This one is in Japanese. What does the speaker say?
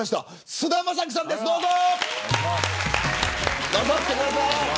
菅田将暉さんです、どうぞ。